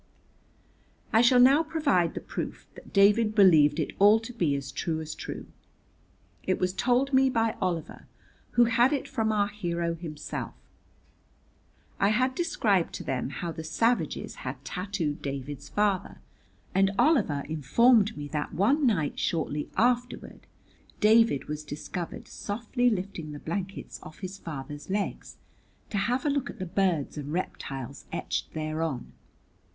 I shall now provide the proof that David believed it all to be as true as true. It was told me by Oliver, who had it from our hero himself. I had described to them how the savages had tattooed David's father, and Oliver informed me that one night shortly afterward David was discovered softly lifting the blankets off his father's legs to have a look at the birds and reptiles etched thereon.